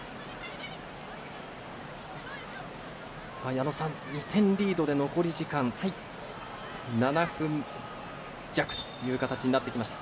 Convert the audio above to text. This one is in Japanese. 矢野さん、２点リードで残り時間、７分弱という形になってきました。